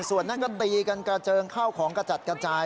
ส่วนนั้นก็ตีกันกระเจิงข้าวของกระจัดกระจาย